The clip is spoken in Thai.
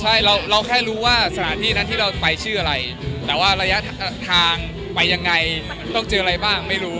ใช่เราแค่รู้ว่าสถานที่นั้นที่เราไปชื่ออะไรแต่ว่าระยะทางไปยังไงต้องเจออะไรบ้างไม่รู้